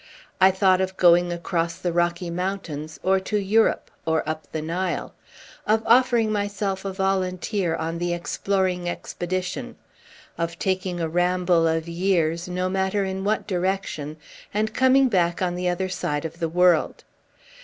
I thought of going across the Rocky Mountains, or to Europe, or up the Nile; of offering myself a volunteer on the Exploring Expedition; of taking a ramble of years, no matter in what direction, and coming back on the other side of the world.